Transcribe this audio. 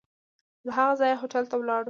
له هغه ځایه هوټل ته ولاړو.